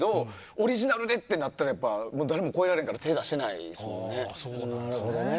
オリジナルでとなると誰も超えられないから手を出してないですよね。